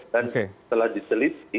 dan setelah diteliti